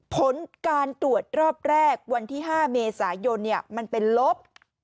ผลการตรวจรอบแรกวันที่๕เมษายนมันเป็นลบ